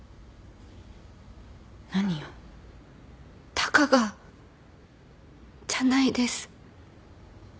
たかがじゃないです。